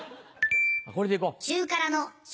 これで行こう。